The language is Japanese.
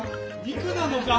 肉なのか？